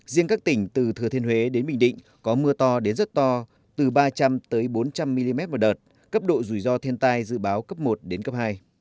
riêng các tỉnh từ thừa thiên huế đến bình định có mưa to đến rất to từ ba trăm linh bốn trăm linh mm một đợt cấp độ rủi ro thiên tai dự báo cấp một đến cấp hai